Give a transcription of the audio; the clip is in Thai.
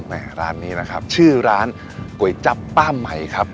ร้านนี้นะครับชื่อร้านก๋วยจับป้าใหม่ครับ